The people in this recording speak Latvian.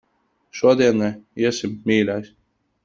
Šodien ne. Iesim, mīļais.